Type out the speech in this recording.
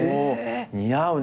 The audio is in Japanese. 似合うね。